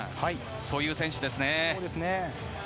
そういう選手ですね。